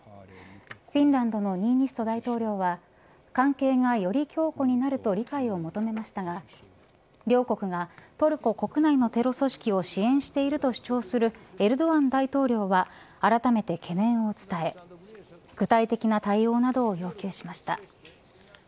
フィンランドのニーニスト大統領は関係がより強固になると理解を求めましたが両国がトルコ国内のテロ組織を支援していると主張するエルドアン大統領はあらためて懸念を伝え具体的な対応などを要求しました。